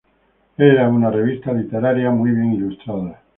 Era una revista literaria, muy bien ilustrada.